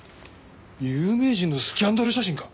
有名人のスキャンダル写真か。